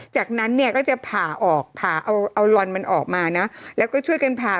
จากนั้นก็จะผ่าออกเอาลอนมันออกมาแล้วก็ช่วยกันผ่า